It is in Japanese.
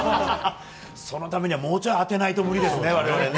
そのためにはもうちょい当てないと無理ですね。